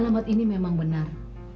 alamat ini memang benar